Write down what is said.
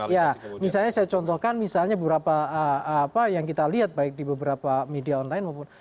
ya misalnya saya contohkan misalnya beberapa apa yang kita lihat baik di beberapa media online maupun